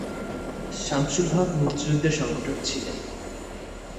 শামসুল হক মুক্তিযুদ্ধের সংগঠক ছিলেন।